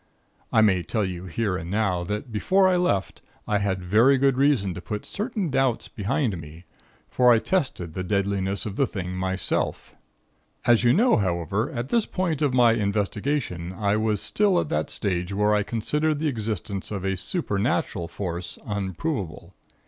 I may tell you here and now, that before I left, I had very good reason to put certain doubts behind me; for I tested the deadliness of the thing myself. "As you know, however, at this point of my investigation, I was still at that stage where I considered the existence of a supernatural Force unproven.